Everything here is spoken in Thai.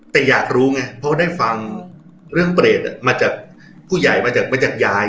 แต่อยากรู้ไงเพราะได้ฟังเรื่องเปรตมาจากผู้ใหญ่มาจากมาจากยาย